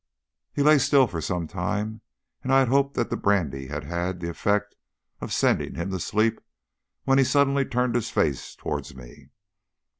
He lay still for some time, and I had hoped that the brandy had had the effect of sending him to sleep, when he suddenly turned his face towards me.